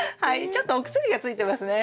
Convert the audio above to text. ちょっとお薬がついてますね。